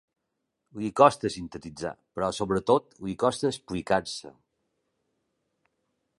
Li costa sintetitzar, però sobretot li costa explicar-se.